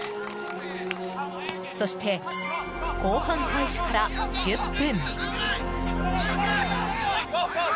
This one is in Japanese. そして後半開始から１０分。